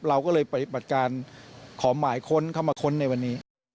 เราก็เลยปฏิบัติการขอหมายค้นเข้ามาค้นในวันนี้